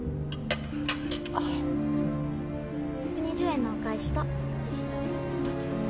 １２０円のお返しとレシートでございます。